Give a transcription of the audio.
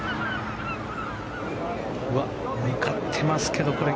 向かってますけど。